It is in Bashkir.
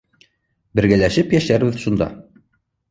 Бергәләшеп йәшәрбеҙ шунда.